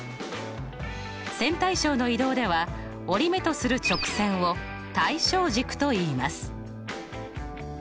線対称の移動では折り目とする直線を対称軸といいます。